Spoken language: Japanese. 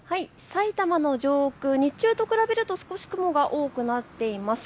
埼玉の上空、日中と比べると少し雲が多くなっています。